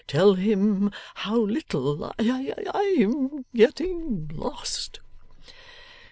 Tell him how little? I I am getting lost.